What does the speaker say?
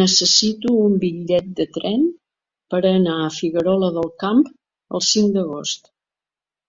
Necessito un bitllet de tren per anar a Figuerola del Camp el cinc d'agost.